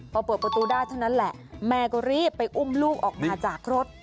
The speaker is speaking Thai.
พอเปิดประตูได้เท่านั้นแหละแม่ก็รีบไปอุ้มลูกออกมาจากรถ